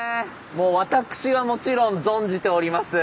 もう私はもちろん存じております。